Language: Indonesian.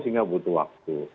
sehingga butuh waktu